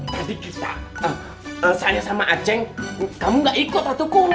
tadi kita saya sama aceng kamu gak ikut tuh kum